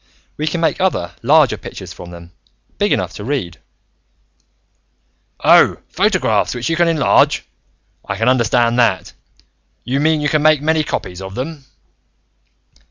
We can make other, larger pictures from them, big enough to be read " "Oh, photographs, which you can enlarge. I can understand that. You mean, you can make many copies of them?"